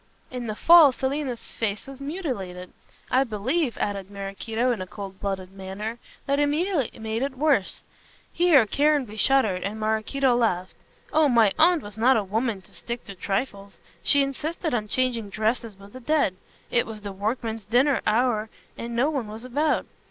In the fall Selina's face was much mutilated. I believe," added Maraquito, in a coldblooded manner, "that Emilia made it worse" here Caranby shuddered and Maraquito laughed "oh, my aunt was not a woman to stick at trifles. She insisted on changing dresses with the dead. It was the workmen's dinner hour and no one was about.